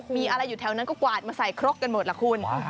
มีอะไรอยู่แถวนั้นก็กวาดมาใส่ครกกันหมดล่ะคุณ